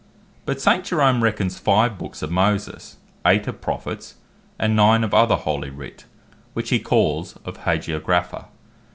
But St. Jerome reckons Five Books of Moses, Eight of Prophets, and Nine of other Holy writ, which he calls of Hagiographa.